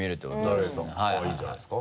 なるへそいいんじゃないですか。